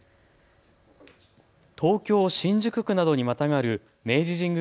東京新宿区などにまたがる明治神宮